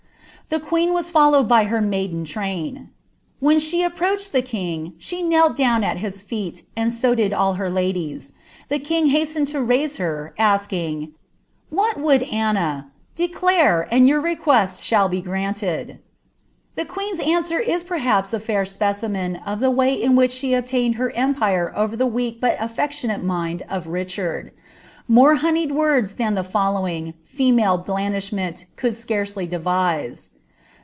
The queen was followed by her maiden train. When she approached the king, she knelt down at his feet, and so did all her ladies. The king hastened to raise her, asking, ^ What would Anna ?— declare, and your request shall be granted.'' The queen's answer is perhaps a fair specimen of the way in which die obtained her empire over the weak but affectionate mind of Richard ; more honeyed words than the following, female blandishment could ■carcely devise.